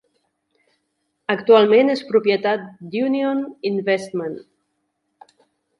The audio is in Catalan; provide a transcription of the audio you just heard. Actualment és propietat d'Union Investment.